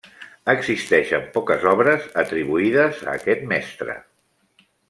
Existeixen poques obres atribuïdes a aquest mestre.